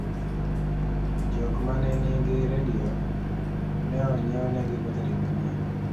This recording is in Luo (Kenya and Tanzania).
jok manenigi redio ne onyienegi betari manyien